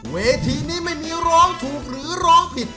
เวทีนี้ไม่มีร้องถูกหรือร้องผิด